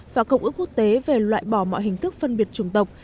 và công ước quốc tế về loại bỏ mọi hình thức phân biệt chủng tộc